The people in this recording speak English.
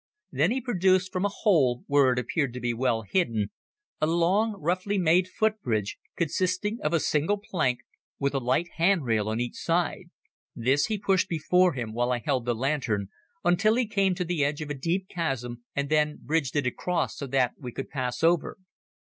Then he produced from a hole, where it appeared to be well hidden, a long, roughly made footbridge, consisting of a single plank, with a light handrail on each side. This he pushed before him while I held the lantern, until he came to the edge of a deep chasm and then bridged it across so that we could pass over.